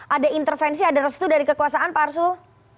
ada intervensi ada restu dari kekuasaan pak arsul